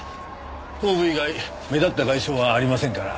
頭部以外目立った外傷はありませんから。